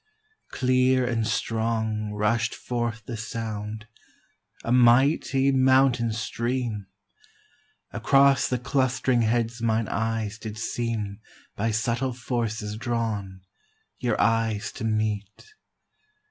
Clear and strong Rush'd forth the sound, a mighty mountain stream; Across the clust'ring heads mine eyes did seem By subtle forces drawn, your eyes to meet.